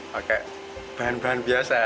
pakai bahan bahan biasa